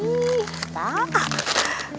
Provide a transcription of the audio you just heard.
suka yang begini